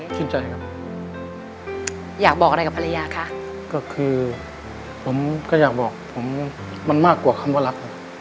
ชื่นใจครับอยากบอกอะไรกับภรรยาคะก็คือผมก็อยากบอกผมมันมากกว่าคำว่ารักครับ